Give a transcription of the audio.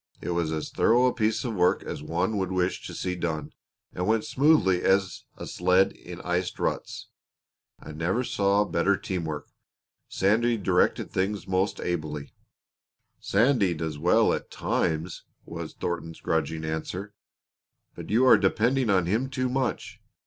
It was as thorough a piece of work as one would wish to see done, and went smoothly as a sled in iced ruts. I never saw better team work. Sandy directed things most ably." "Sandy does well enough at times," was Thornton's grudging answer, "but you are depending on him too much.